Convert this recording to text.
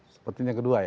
sepertinya kedua ya